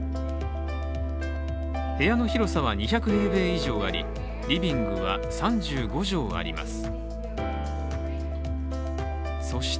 部屋の広さは２００平米以上ありリビングは３５畳あります。